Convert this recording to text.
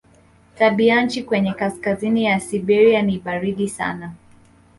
Tabianchi kwenye kaskazini ya Siberia ni baridi sana.